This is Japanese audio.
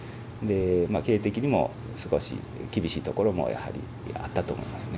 経営的にも少し厳しいところもやはりあったと思いますね。